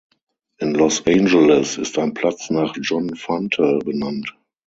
In Los Angeles ist ein Platz nach John Fante benannt.